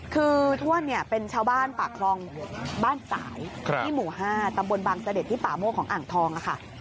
คือถ้วนเนี่ยเป็นชาวบ้านปากคลองบ้านสายที่หมู่๕ตำบลบางเสด็จที่ป่าโมกของอ่างทองค่ะ